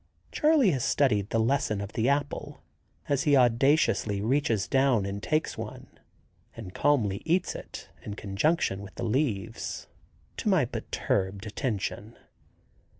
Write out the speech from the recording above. Charley has studied the lesson of the apple, as he audaciously reaches down and takes one, and calmly eats it in conjunction with the leaves, to my perturbed attention.